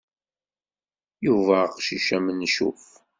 Yuba aqcic amencuf.